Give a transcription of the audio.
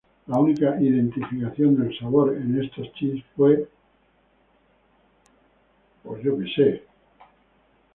La única identificación del sabor en estos chips fue "All American Classic".